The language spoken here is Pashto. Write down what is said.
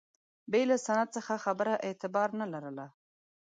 بې له سند څخه خبره اعتبار نه لرله.